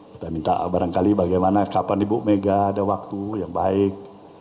kita minta barangkali bagaimana kapan ibu mega ada waktu yang baik